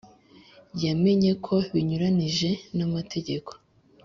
yamenye ko binyuranyije n amategeko